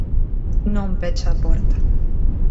Non pecha a porta.